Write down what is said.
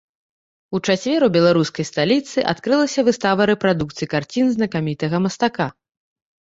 У чацвер у беларускай сталіцы адкрылася выстава рэпрадукцый карцін знакамітага мастака.